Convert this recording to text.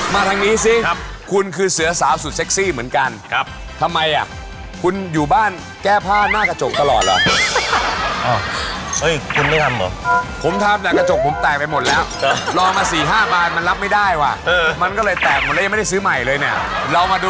มาทางนี้ซิคุณคือเสือสาวสุดซิคซี่เหมือนกันเรามาดูกันนะครับว่าเท่าไหร่